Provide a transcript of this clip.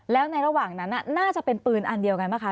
แล้วในระหว่างนั้นน่าจะเป็นปืนอันเดียวกันป่ะค